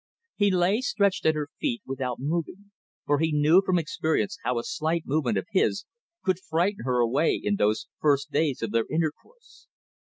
He lay stretched at her feet without moving, for he knew from experience how a slight movement of his could frighten her away in those first days of their intercourse.